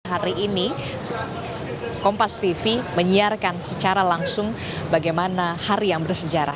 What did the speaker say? hari ini kompas tv menyiarkan secara langsung bagaimana hari yang bersejarah